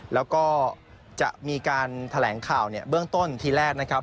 แล้วก็จะมีการแถลงข่าวเนี่ยเบื้องต้นทีแรกนะครับ